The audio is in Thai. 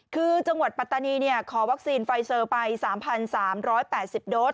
คือจังหวัดปัตตานีขอวัคซีนไฟเซอร์ไป๓๓๘๐โดส